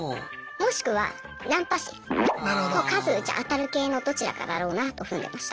もう数打ちゃ当たる系のどちらかだろうなと踏んでました。